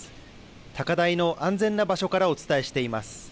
高台の安全な場所からお伝えしています。